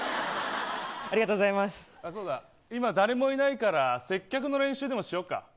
今、誰もいないから接客の練習でもしようか。